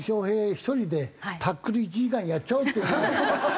１人で『タックル』１時間やっちゃおうって。